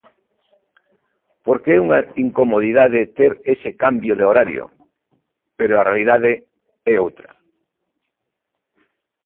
Porque é unha incomodidade ter ese cambio de horario, pero a realidade é outra.